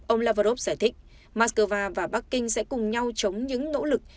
ông lavrov giải thích moscow và bắc kinh sẽ cùng nhau chống những nỗ lực